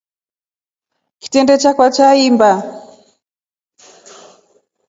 Kitrende chakwa chaimba.